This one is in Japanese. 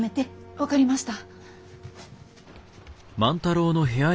分かりました。